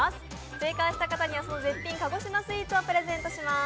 正解した方にはその絶品鹿児島スイーツをプレゼントします。